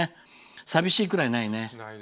寂しいくらい、ないね。